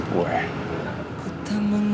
makasih di nicer darling